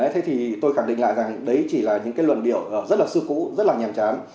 thế thì tôi khẳng định lại rằng đấy chỉ là những luận điểu rất sư cũ rất nhàm chán